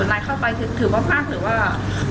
อ่อนไลน์เข้าไปถือมากหรือว่า